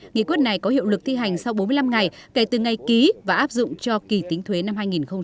nghị quyết này có hiệu lực thi hành sau bốn mươi năm ngày kể từ ngày ký và áp dụng cho kỳ tính thuế năm hai nghìn một mươi chín